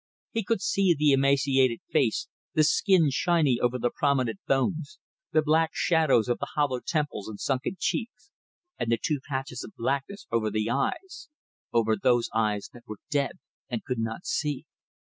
He could see the emaciated face, the skin shiny over the prominent bones, the black shadows of the hollow temples and sunken cheeks, and the two patches of blackness over the eyes, over those eyes that were dead and could not see.